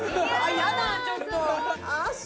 やだちょっと！